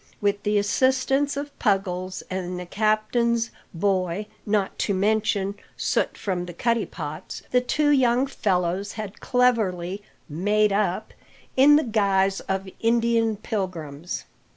With the assistance of Puggles and the captain's "boy," not to mention soot from the cuddy pots, the two young fellows had cleverly "made up" in the guise of Indian pilgrims.